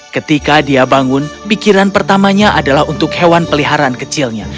ketika dia bangun pikiran pertamanya adalah untuk hewan peliharaan kecilnya